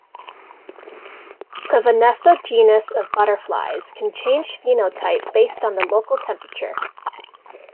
The "Vanessa" genus of butterflies can change phenotype based on the local temperature.